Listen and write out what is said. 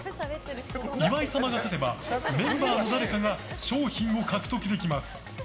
岩井様が勝てばメンバーの誰かが賞品を獲得できます。